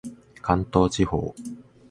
関東地方